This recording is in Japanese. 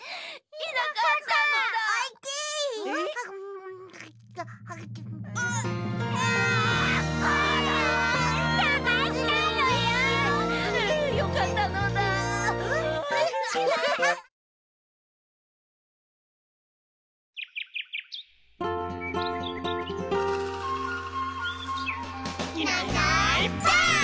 「いないいないばあっ！」